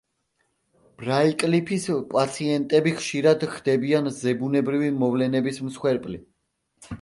ბრაირკლიფის პაციენტები ხშირად ხდებიან ზებუნებრივი მოვლენების მსხვერპლი.